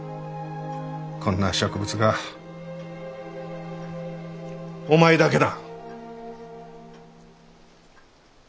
こんな植物画お前だけだ。